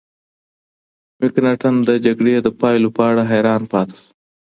مکناتن د جګړې د پایلو په اړه حیران پاتې شو.